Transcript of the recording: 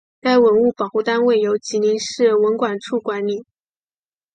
该文物保护单位由吉林市文管处管理。